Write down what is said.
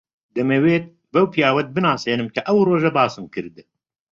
دەمەوێت بەو پیاوەت بناسێنم کە ئەو ڕۆژە باسم کرد.